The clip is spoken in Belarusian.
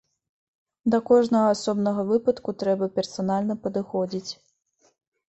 Да кожнага асобнага выпадку трэба персанальна падыходзіць.